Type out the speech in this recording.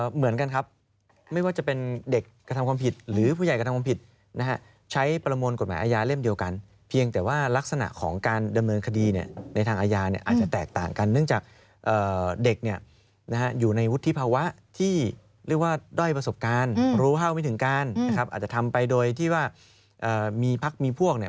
เหมือนกันครับไม่ว่าจะเป็นเด็กกระทำความผิดหรือผู้ใหญ่กระทำความผิดนะฮะใช้ประมวลกฎหมายอาญาเล่มเดียวกันเพียงแต่ว่ารักษณะของการดำเนินคดีเนี่ยในทางอาญาเนี่ยอาจจะแตกต่างกันเนื่องจากเด็กเนี่ยนะฮะอยู่ในวุฒิภาวะที่เรียกว่าด้อยประสบการณ์รู้เท่าไม่ถึงการนะครับอาจจะทำไปโดยที่ว่ามีพักมีพวกเนี่ย